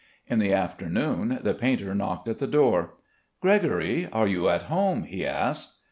In the afternoon the painter knocked at the door. "Gregory, are you at home?" he asked.